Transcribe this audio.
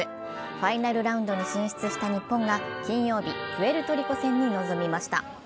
ファイナルラウンドに進出した日本が金曜日、プエルトリコ戦に臨みました。